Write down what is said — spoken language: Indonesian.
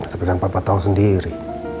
tapi kan papa tahu sendiri